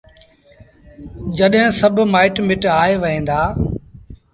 جڏهيݩ سڀ مآئيٚٽ مٽ آئي وهيݩ دآ